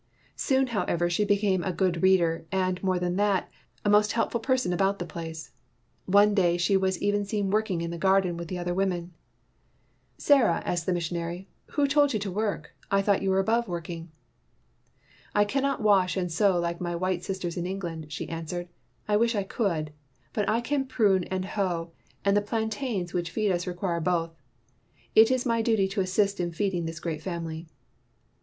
Soon however she became a good reader and, more than that, a most helpful person about the place. One day she was seen working in the garden with the other women. 165 WHITE MAN OF WORK " Sarah, " asked the missionary, "who told you to work ; I thought you were above working %'' "I cannot wash and sew like my white sisters in England," she answered. "I wish I could ; but I can prune and hoe, and the plantains which feed us require both. It is my duty to assist in feeding this great family."